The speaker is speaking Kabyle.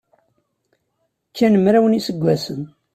Kkan mraw n yiseggasen.